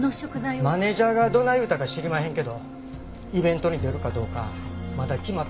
マネジャーがどない言うたか知りまへんけどイベントに出るかどうかまだ決まったわけやあらしまへん。